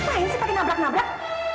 apa yang maken gabrak nabrak